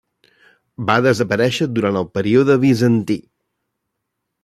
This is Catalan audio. Va desaparèixer durant el període bizantí.